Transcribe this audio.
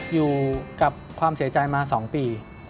อยู่กับความเสียใจมา๒ปี